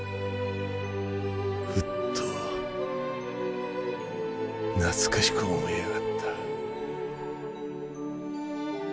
ふっと懐かしく思えやがった。